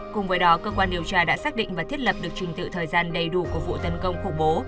cùng với đó cơ quan điều tra đã xác định và thiết lập được trình tự thời gian đầy đủ của vụ tấn công khủng bố